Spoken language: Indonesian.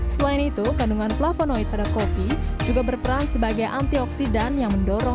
selain itu kandungan flavonoid pada kopi juga berperan sebagai antioksidan yang mendorong